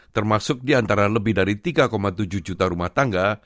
termasuk di antara lebih dari tiga tujuh juta rumah tangga